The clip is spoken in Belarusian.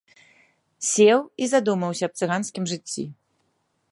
Сеў і задумаўся аб цыганскім жыцці.